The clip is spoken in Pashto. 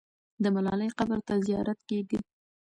د ملالۍ قبر ته زیارت کېږي.